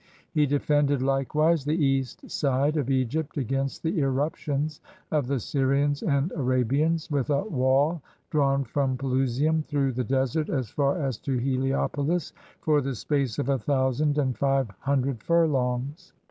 He defended Hkewise the east side of Egypt against the irruptions of the Syrians and Arabians with a wall drawn from Pelusium through the desert as far as to HeHopoHs for the space of a thousand and five hundred furlongs.